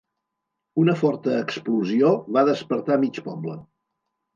Una forta explosió va despertar mig poble.